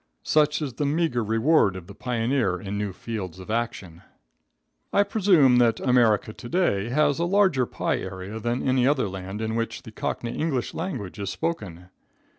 Such is the meagre reward of the pioneer in new fields of action. I presume that America to day has a larger pie area than any other land in which the Cockney English language is spoken.